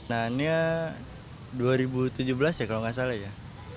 nah ini dua ribu tujuh belas ya kalau nggak salah ya